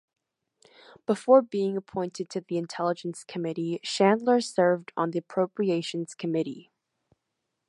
Before being appointed to the Intelligence Committee, Chandler served on the Appropriations Committee.